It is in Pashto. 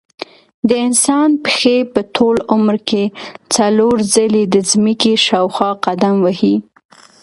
د انسان پښې په ټول عمر کې څلور ځلې د ځمکې شاوخوا قدم وهي.